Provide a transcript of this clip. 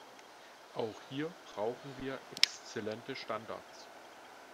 Auch hier brauchen wir exzellente Standards.